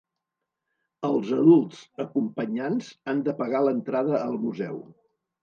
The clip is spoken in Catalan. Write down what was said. Els adults acompanyants han de pagar l'entrada al Museu.